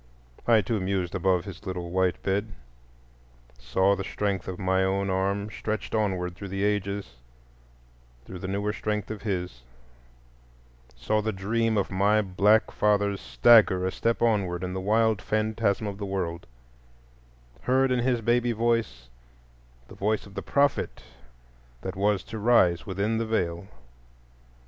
I too mused above his little white bed; saw the strength of my own arm stretched onward through the ages through the newer strength of his; saw the dream of my black fathers stagger a step onward in the wild phantasm of the world; heard in his baby voice the voice of the Prophet that was to rise within the Veil.